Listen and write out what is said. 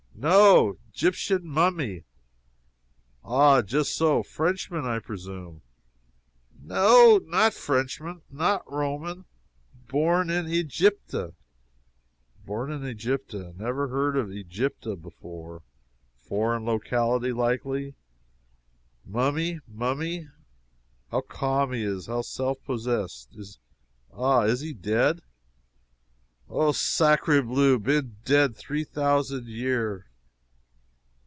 "No! 'Gyptian mummy!" "Ah, just so. Frenchman, I presume?" "No! not Frenchman, not Roman! born in Egypta!" "Born in Egypta. Never heard of Egypta before. Foreign locality, likely. Mummy mummy. How calm he is how self possessed. Is, ah is he dead?" "Oh, sacre bleu, been dead three thousan' year!"